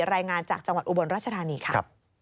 รายงานจากจังหวัดอุบลรัชธานีค่ะ